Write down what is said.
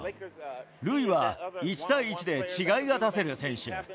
ルイは１対１で違いが出せる選手。